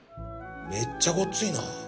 めっちゃごっついな。